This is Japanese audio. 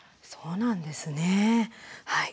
そうなんですね。